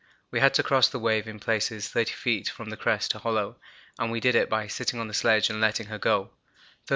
We had to cross the waves in places 30 feet from crest to hollow, and we did it by sitting on the sledge and letting her go.